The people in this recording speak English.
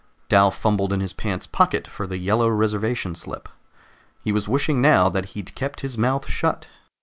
Dal fumbled in his pants pocket for the yellow reservation slip. He was wishing now that he'd kept his mouth shut.